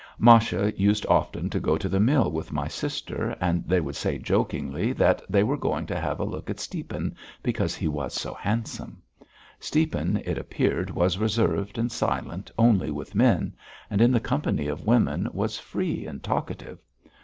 Masha used often to go to the mill with my sister and they would say jokingly that they were going to have a look at Stiepan because he was so handsome. Stiepan it appeared was reserved and silent only with men, and in the company of women was free and talkative.